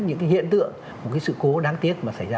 những hiện tượng một sự cố đáng tiếc mà xảy ra